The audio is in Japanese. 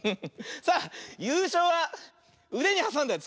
さあゆうしょうはうでにはさんだやつ。